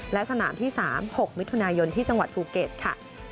และสนามที่๓๖มิถุนายนที่จังหวัดภูเก็ตค่ะ